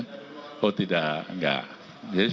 pak jokowi katakan juga sudah lamasan